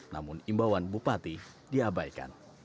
namun imbauan bupati diabaikan